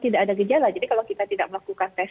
tidak ada gejala jadi kalau kita tidak melakukan tes